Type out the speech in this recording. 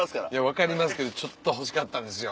分かりますけどちょっと欲しかったんですよ。